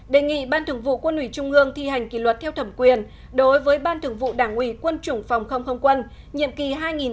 năm đề nghị ban thượng vụ quân ủy trung ương thi hành kỷ luật theo thẩm quyền đối với ban thượng vụ đảng ủy quân chủng phòng không không quân nhiệm kỳ hai nghìn một mươi hai nghìn một mươi năm